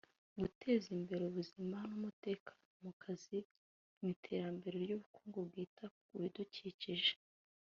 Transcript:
“Guteza imbere ubuzima n’umutekano ku kazi mu iterambere ry’ubukungu bwita ku bidukikije